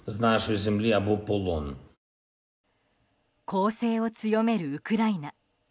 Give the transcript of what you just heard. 攻勢を強めるウクライナ。